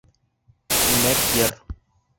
Күмәк йыр.